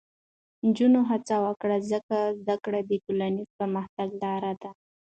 نجونې هڅه وکړي، ځکه زده کړه د ټولنیز پرمختګ لاره ده.